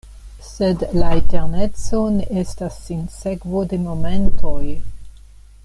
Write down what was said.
Sed la eterneco ne estas sinsekvo de momentoj!